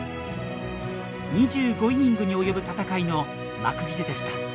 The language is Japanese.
２５イニングに及ぶ戦いの幕切れでした。